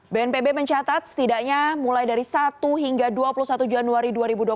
bnpb mencatat setidaknya mulai dari satu hingga dua puluh satu januari dua ribu dua puluh